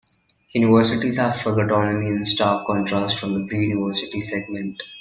Universities have full autonomy, in stark contrast from the pre-university segment.